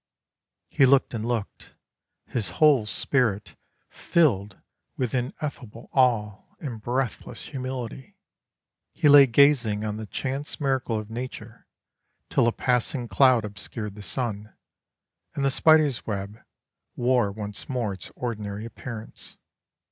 He looked and looked, his whole spirit filled with ineffable awe and breathless humility. He lay gazing on the chance miracle of nature till a passing cloud obscured the sun, and the spider's web wore once more its ordinary appearance.